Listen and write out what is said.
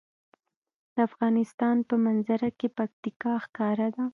د افغانستان په منظره کې پکتیکا ښکاره ده.